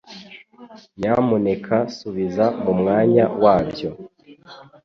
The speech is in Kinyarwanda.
Nyamuneka subiza mu mwanya wabyo.